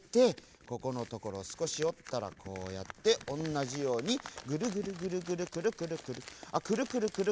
ここのところをすこしおったらこうやっておんなじようにぐるぐるぐるぐるくるくるくるあ